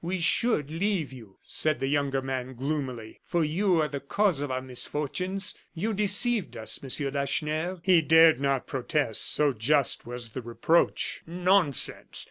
"We should leave you," said the younger man, gloomily, "for you are the cause of our misfortunes. You deceived us, Monsieur Lacheneur." He dared not protest, so just was the reproach. "Nonsense!